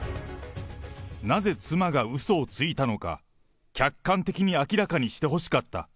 なぜ妻がうそをついたのか、客観的に明らかにしてほしかった。